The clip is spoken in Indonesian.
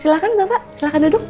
silakan bapak silakan duduk